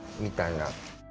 みたいな。